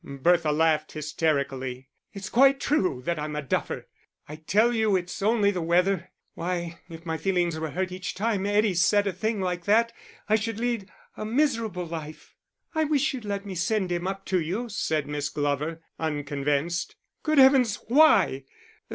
Bertha laughed hysterically. "It's quite true that I'm a duffer. I tell you it's only the weather. Why, if my feelings were hurt each time Eddie said a thing like that I should lead a miserable life." "I wish you'd let me send him up to you," said Miss Glover, unconvinced. "Good heavens! Why?